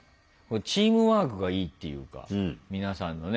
チームワークがいいっていうか皆さんのね。